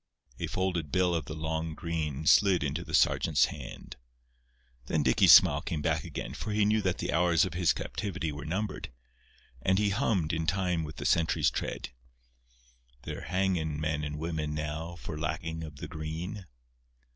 A folded bill of the "long green" slid into the sergeant's hand. Then Dicky's smile came back again, for he knew that the hours of his captivity were numbered; and he hummed, in time with the sentry's tread: "They're hanging men and women now, For lacking of the green."